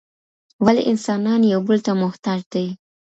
ولي انسانان یو بل ته محتاج دي؟